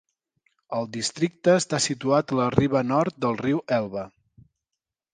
El districte està situat a la riba nord del riu Elba.